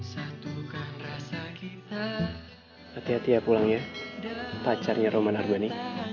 hati hati ya pulangnya pacarnya roman armani